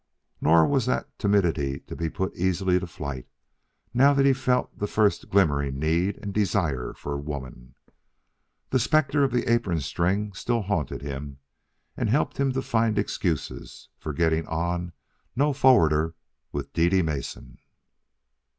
Nor was that timidity to be put easily to flight now that he felt the first glimmering need and desire for woman. The specter of the apron string still haunted him, and helped him to find excuses for getting on no forwarder with Dede Mason.